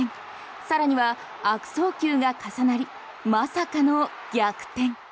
更には悪送球が重なりまさかの逆転。